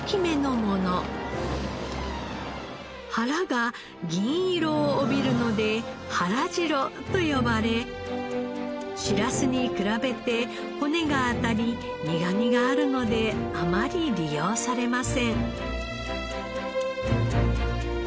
腹が銀色を帯びるので「はらじろ」と呼ばれしらすに比べて骨が当たり苦みがあるのであまり利用されません。